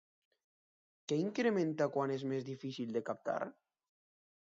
Què incrementa quan és més difícil de captar?